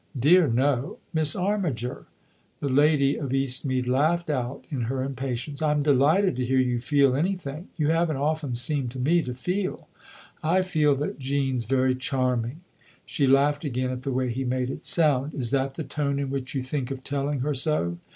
" Dear no Miss Armiger !" The lady of Eastmead laughed out in her impatience. " I'm delighted to hear you feel any thing. You haven't often seemed to me to feel." " I feel that Jean's very charming." She laughed again at the way he made it sound. " Is that the tone in which you think of telling her so?"